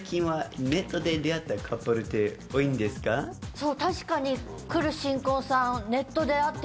そう確かに来る。